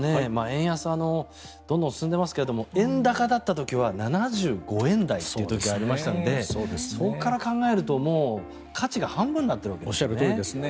円安はどんどん進んでますが円高だった時は７５円台という時がありましたのでそこから考えるともう価値が半分になっているわけですね。